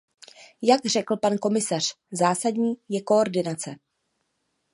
Jak řekl pan komisař, zásadní je koordinace.